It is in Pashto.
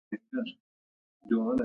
ناول د انسان د روح ابدي پوښتنې منعکسوي.